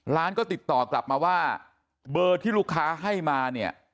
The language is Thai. ร้านก็ติดต่อกลับมาว่าเบอร์ที่ลูกค้าให้มาเนี่ย